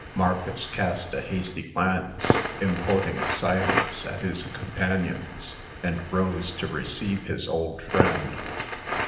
Marcus cast a hasty glance, importing silence, at his companions, and rose to receive his old friend.